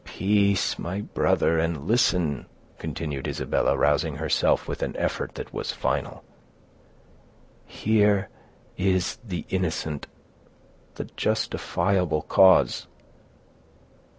"Peace, my brother, and listen," continued Isabella, rousing herself with an effort that was final. "Here is the innocent, the justifiable cause.